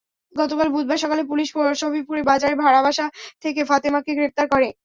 গতকাল বুধবার সকালে পুলিশ সফিপুর বাজারের ভাড়াবাসা থেকে ফাতেমাকে গ্রেপ্তার করে।